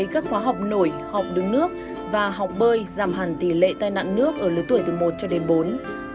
các khóa học nổi học đứng nước và học bơi giảm hẳn tỷ lệ tai nạn nước ở lứa tuổi từ một cho đến bốn